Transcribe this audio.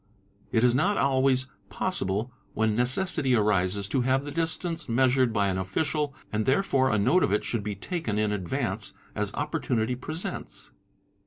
It is not always possible ENO EE CE AE AE ARMIN PS when necessity arises to have the distance measured by an official and herefore a note of it should be taken in advance as opportunity presents.